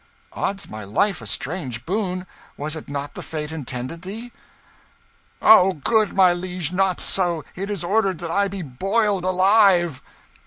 "Odds my life, a strange boon! Was it not the fate intended thee?" "O good my liege, not so! It is ordered that I be boiled alive!"